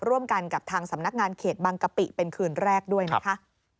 ร่วมกันกับทางสำนักงานเขตบางกะปิเป็นคืนแรกด้วยนะคะ